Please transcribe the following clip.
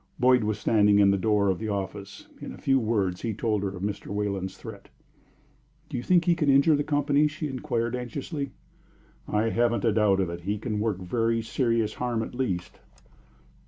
Boyd was standing in the door of the office. In a few words he told her of Mr. Wayland's threat. "Do you think he can injure the company?" she inquired, anxiously. "I haven't a doubt of it. He can work very serious harm, at least."